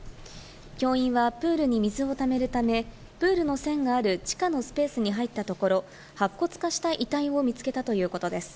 教員はプールに水をためるためプールの栓がある地下のスペースに入ったところ、白骨化した遺体をみつけたということです。